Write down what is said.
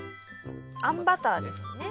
あんバターですもんね。